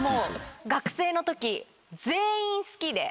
学生の時全員好きで。